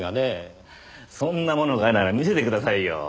そんなものがあるなら見せてくださいよ。